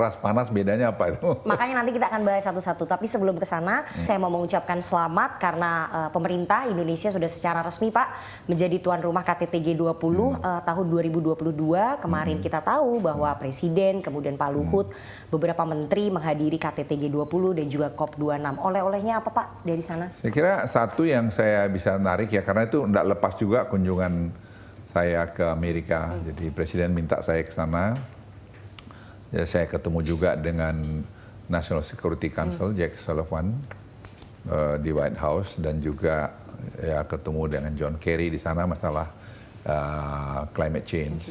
saya ketemu juga dengan national security council jack sullivan di white house dan juga ketemu dengan john kerry di sana masalah climate change